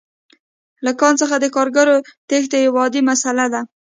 له کان څخه د کارګرو تېښته یوه عادي مسئله ده